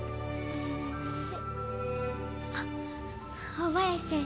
大林先生